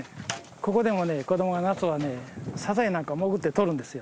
ここでも子どもは夏はねサザエなんか潜ってとるんですよ。